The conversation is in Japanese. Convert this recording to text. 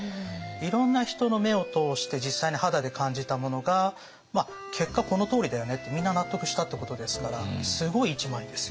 いろんな人の目を通して実際に肌で感じたものが結果このとおりだよねってみんな納得したってことですからすごい１枚ですよね。